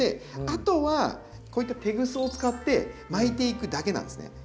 あとはこういったテグスを使って巻いていくだけなんですね。